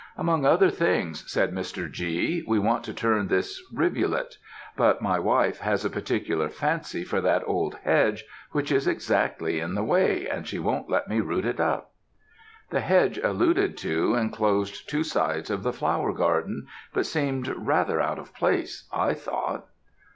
"'Among other things,' said Mr. G., 'we want to turn this rivulet; but my wife has a particular fancy for that old hedge, which is exactly in the way, and she won't let me root it up.' "The hedge alluded to enclosed two sides of the flower garden, but seemed rather out of place, I thought.